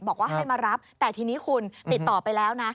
บอกว่าให้มารับแต่ทีนี้คุณติดต่อไปแล้วนะ